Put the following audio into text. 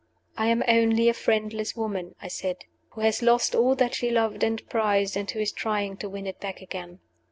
"I am only a friendless woman," I said, "who has lost all that she loved and prized, and who is trying to win it back again."